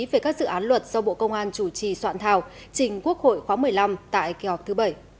về các dự án luật do bộ công an chủ trì soạn thảo trình quốc hội khóa một mươi năm tại kỳ họp thứ bảy